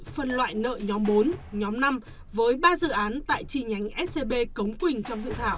phân loại nợ nhóm bốn nhóm năm với ba dự án tại trì nhánh scb cống quỳnh